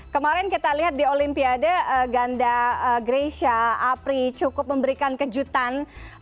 kemarin kita lihat di olimpiade ganda greysia apri cukup memberikan kejutan